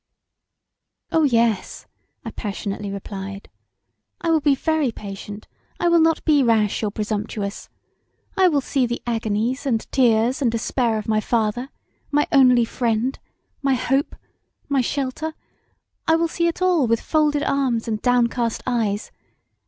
"Oh, yes!" I passionately replied, "I will be very patient; I will not be rash or presumptuous: I will see the agonies, and tears, and despair of my father, my only friend, my hope, my shelter, I will see it all with folded arms and downcast eyes.